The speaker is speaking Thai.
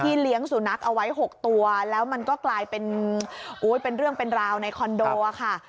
เลี้ยงสุนัขเอาไว้๖ตัวแล้วมันก็กลายเป็นเป็นเรื่องเป็นราวในคอนโดค่ะ